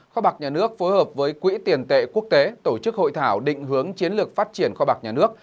kho bạc nhà nước phối hợp với quỹ tiền tệ quốc tế tổ chức hội thảo định hướng chiến lược phát triển kho bạc nhà nước